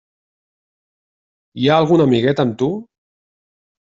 Hi ha algun amiguet amb tu?